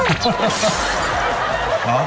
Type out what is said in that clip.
ขอบคุณมาก